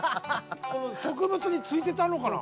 植物についてたのかな？